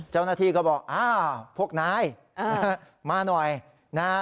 เจ้าหน้าที่ก็บอกอ้าวพวกนายมาหน่อยนะฮะ